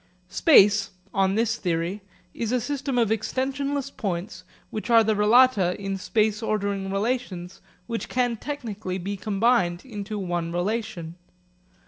Space, on this theory, is a system of extensionless points which are the relata in space ordering relations which can technically be combined into one relation.